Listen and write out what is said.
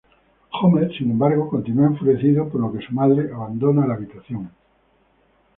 Homer, sin embargo, continúa enfurecido, por lo que su madre abandona la habitación.